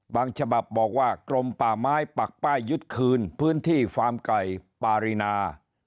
ฉบับบอกว่ากรมป่าไม้ปักป้ายยึดคืนพื้นที่ฟาร์มไก่ปารีนา